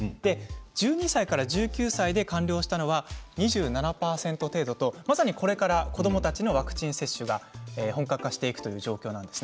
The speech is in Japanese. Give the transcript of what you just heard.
１２歳から１９歳で完了したのは２７％程度とまさにこれから子どもたちのワクチン接種が本格化していくという状況なんです。